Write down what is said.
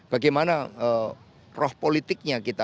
bagaimana roh politiknya kita